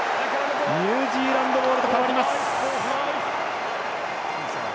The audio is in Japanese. ニュージーランドボールに変わります。